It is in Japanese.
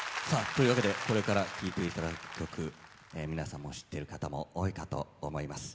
というわけでこれから聴いていただく曲皆さんも知っている方も多いかと思います。